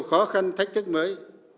khó khăn thách thức mới